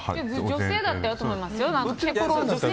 女性だってやると思いますよ。